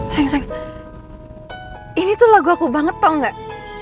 sayang sayang ini tuh lagu aku banget tau gak